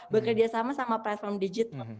berkerjasama sama platform digital